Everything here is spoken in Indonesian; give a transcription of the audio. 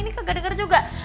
ini kagak denger juga